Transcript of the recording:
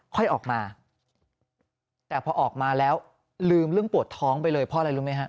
ค่อยออกมาแต่พอออกมาแล้วลืมเรื่องปวดท้องไปเลยเพราะอะไรรู้ไหมฮะ